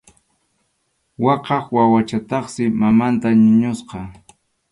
Waqaq wawachataqsi mamanta ñuñuchkasqa.